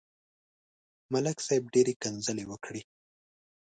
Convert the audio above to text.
ملک صاحب ډېره کنځلې وکړې.